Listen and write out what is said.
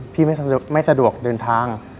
ไม่สะดวกเดินทาง